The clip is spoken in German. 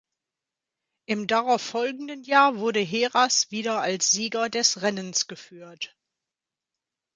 Im darauf folgenden Jahr wurde Heras wieder als Sieger des Rennens geführt.